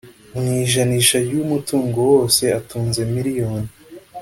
mu ijanisha ry umutungo wose atunze miliyoni